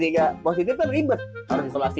eh tapi kan pertimbangannya